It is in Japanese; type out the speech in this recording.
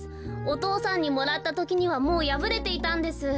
お父さんにもらったときにはもうやぶれていたんです。